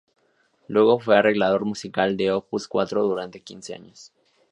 Luego fue arreglador musical de Opus Cuatro durante quince años.